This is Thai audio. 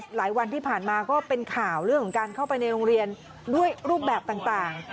หลายวันที่ผ่านมาก็เป็นข่าวเรื่องของการเข้าไปในโรงเรียนด้วยรูปแบบต่าง